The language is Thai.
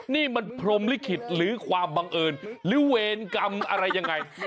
นี่มันพรมลิขิตหรือความบังเอิญหรือเวรกรรมอะไรยังไง